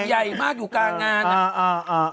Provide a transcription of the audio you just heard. ใหญ่มากอยู่กลางงานอ่ะ